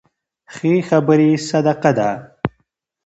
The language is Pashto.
ښې خبرې صدقه ده.